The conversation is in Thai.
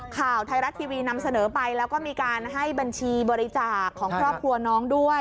ข่าวไทยรัฐทีวีนำเสนอไปแล้วก็มีการให้บัญชีบริจาคของครอบครัวน้องด้วย